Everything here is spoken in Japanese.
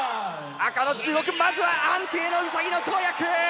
赤の中国まずは安定のウサギの跳躍！